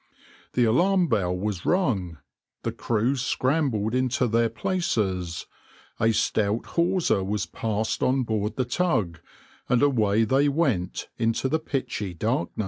The alarm bell was rung, the crew scrambled into their places, a stout hawser was passed on board the tug, and away they went into the pitchy darkness.